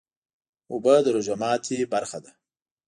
اوبه د روژې ماتی برخه ده